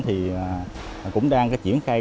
thì cũng đang triển khai